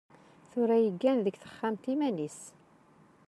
Tura iggan deg texxamt iman-is.